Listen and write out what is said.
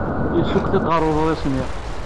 Yessukk tiṭ ɣef uḍris-nni.